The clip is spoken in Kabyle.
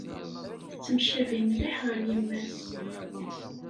Tettemcabi mliḥ ɣer yemma-s.